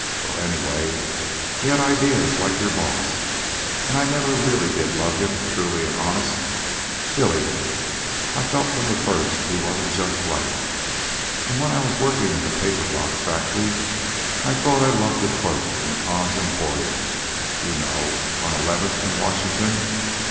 well, anyway, he had ideas like your boss. And I never really did love him, truly and honest, Billy. I felt from the first that he wasn't just right. And when I was working in the paper box factory I thought I loved a clerk in Kahn's Emporium you know, on Eleventh and Washington.